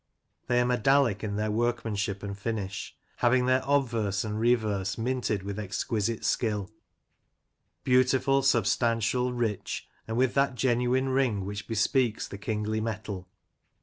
They are medallic in their workmanship and finish, having their obverse and reverse minted with exquisite skill; beautiful,, substantial, rich, and with that genuine ring which bespeaks the kingly metal.